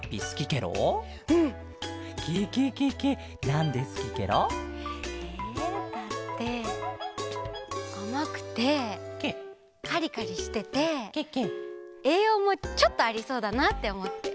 ケケケケなんですきケロ？えだってあまくてカリカリしててえいようもちょっとありそうだなっておもって。